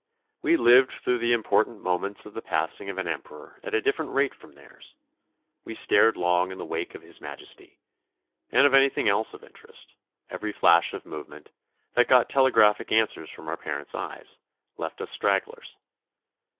We lived through the important moments of the passing of an Emperor at a different rate from theirs; we stared long in the wake of his Majesty, and of anything else of interest; every flash of movement, that got telegraphic answers from our parents' eyes, left us stragglers.